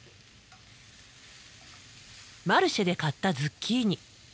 マルシェで買ったズッキーニ。